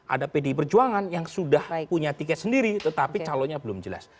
ada pdi perjuangan yang sudah punya tiket sendiri tetapi calonnya belum jelas